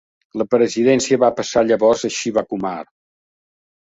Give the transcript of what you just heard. La presidència va passar llavors a Shiva Kumar.